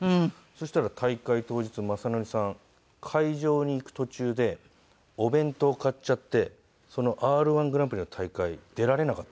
そしたら大会当日雅紀さん会場に行く途中でお弁当を買っちゃってそのＲ−１グランプリの大会出られなかったんです。